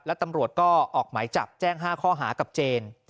และตำรวจก็ออกหมายจับแจ้ง๕ข้อหากับเจน